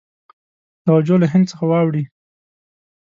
توجه له هند څخه واړوي.